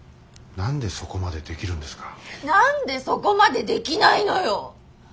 何でそこまでできないのよ！